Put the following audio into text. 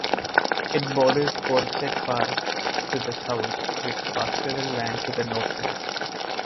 It borders Porset Park to the south, with pastoral land to the north-east.